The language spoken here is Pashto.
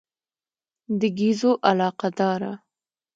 د ګېزو علاقه داره.